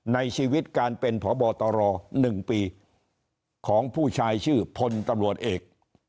ในชีวิตการเป็นพบตร๑ปีของผู้ชายชื่อพลตำรวจเอก